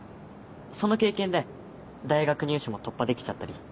その経験で大学入試も突破できちゃったり。